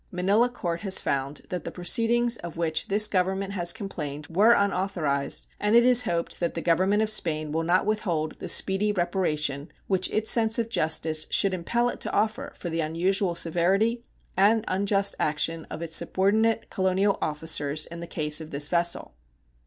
Manila court has found that the proceedings of which this Government has complained were unauthorized, and it is hoped that the Government of Spain will not withhold the speedy reparation which its sense of justice should impel it to offer for the unusual severity and unjust action of its subordinate colonial officers in the case of this vessel.